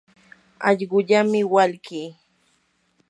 allquullami walkii.